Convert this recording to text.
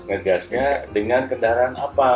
ngegasnya dengan kendaraan apa